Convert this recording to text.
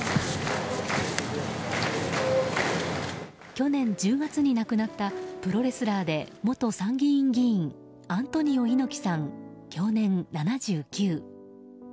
去年１０月に亡くなったプロレスラーで元参議院議員アントニオ猪木さん、享年７９。